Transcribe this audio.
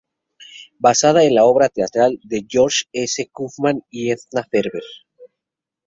Basada en la obra teatral de George S. Kaufman y Edna Ferber.